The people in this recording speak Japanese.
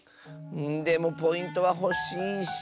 でもポイントはほしいし。